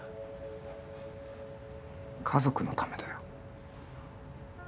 家族のためだよ